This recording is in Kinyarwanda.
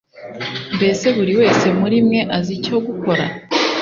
mbese buri wese muri mwe azi icyo gukora